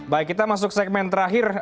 baik kita masuk segmen terakhir